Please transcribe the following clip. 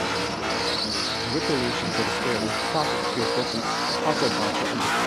In retaliation for the failure, Carter kills Doctor Hasselbacher at the club bar.